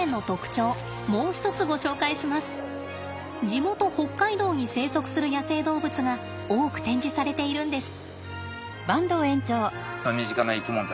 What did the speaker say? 地元北海道に生息する野生動物が多く展示されているんです。